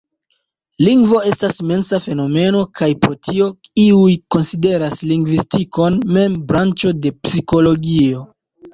Lingvo estas mensa fenomeno, kaj pro tio iuj konsideras lingvistikon mem branĉo de psikologio.